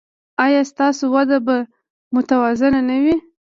ایا ستاسو وده به متوازنه نه وي؟